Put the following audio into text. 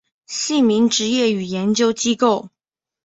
姓名职业与研究机构